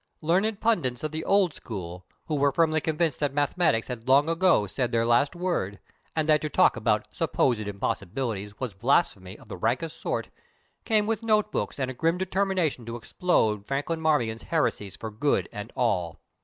Learned pundits of the old school, who were firmly convinced that Mathematics had long ago said their last word, and that to talk about "supposed impossibilities" was blasphemy of the rankest sort, came with note books and a grim determination to explode Franklin Marmion's heresies for good and all.